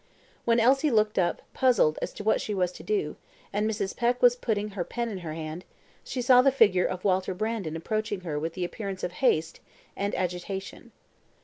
When Elsie looked up, puzzled as to what she was to do, and Mrs. Peck was putting her pen into her hand, she saw the figure of Walter Brandon approaching her with the appearance of haste and agitation.